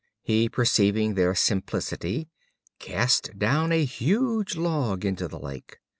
He, perceiving their simplicity, cast down a huge log into the lake.